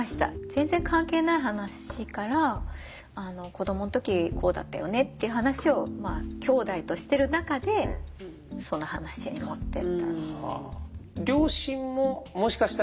全然関係ない話から子どもの時こうだったよねっていう話をきょうだいとしている中でその話に持ってったっていう。